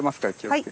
はい。